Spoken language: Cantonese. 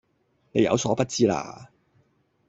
你有所不知啦